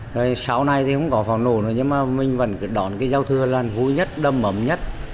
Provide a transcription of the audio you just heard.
rồi sau này thì không có pháo nổ nữa nhưng mà mình vẫn đón cái giao thưa là hú nhất đâm ấm nhất